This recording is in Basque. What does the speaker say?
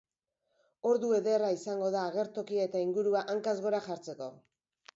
Ordu ederra izango da agertokia eta ingurua hankaz gora jartzeko.